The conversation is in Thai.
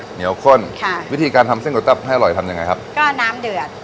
เหนียวข้นค่ะวิธีการทำเส้นก๋วตับให้อร่อยทำยังไงครับก็น้ำเดือด